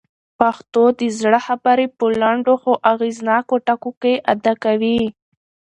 پښتو د زړه خبرې په لنډو خو اغېزناکو ټکو کي ادا کوي.